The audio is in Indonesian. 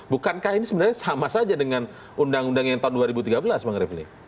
bukankah ini sebenarnya sama saja dengan undang undang yang tahun dua ribu tiga belas bang refli